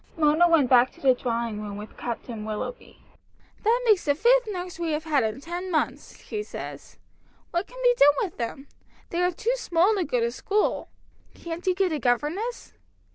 Mona went back to the drawing room with Captain Willoughby. "That makes the fifth nurse we have had in ten months," she said. "What can be done with them? They are too small to go to school." "Can't you get a governess?"